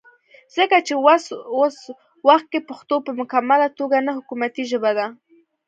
ځکه چې وس وخت کې پښتو پۀ مکمله توګه نه حکومتي ژبه ده